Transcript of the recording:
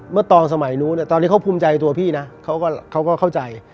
ตอนสมัยนู้นตอนนี้เขาภูมิใจตัวพี่นะเขาก็เข้าใจ